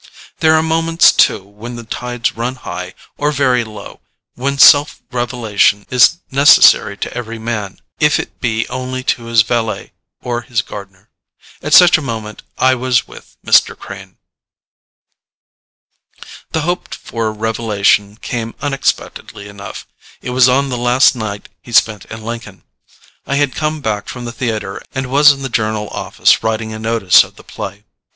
There are moments too, when the tides run high or very low, when self revelation is necessary to every man, if it be only to his valet or his gardener. At such a moment, I was with Mr. Crane. The hoped for revelation came unexpectedly enough. It was on the last night he spent in Lincoln. I had come back from the theatre and was in the Journal office writing a notice of the play.